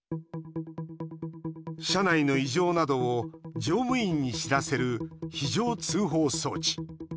車内の異常などを乗務員に知らせる非常通報装置。